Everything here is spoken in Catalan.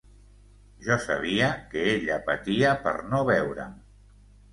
Jo sabia que ella patia per no veure'm.